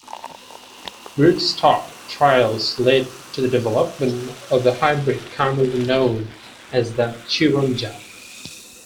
Rootstock trials led to the development of the hybrid commonly known as the chironja.